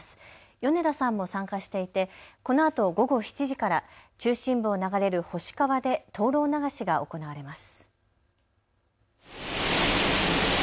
米田さんも参加していてこのあと午後７時から中心部を流れる星川で灯籠流しが行われます。